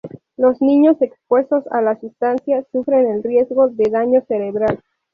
Los niños expuestos a la sustancia sufren el riesgo de daño cerebral.